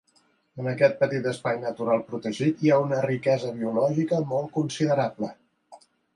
En aquest petit espai natural protegit hi ha una riquesa biològica molt considerable.